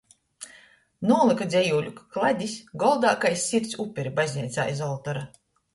Nūlyka dzejūļu kladis goldā kai sirds uperi bazneicā iz oltora.